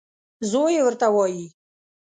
زوی یې ورته وايي .